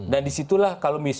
dan di situlah kalau misius